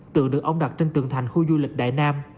tượng được ông đặt trên tường thành khu du lịch đại nam